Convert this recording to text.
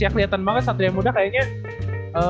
ya kelihatan banget satria muda kayaknya